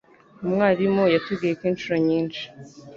Umwarimu yatubwiye ko inshuro nyinshi.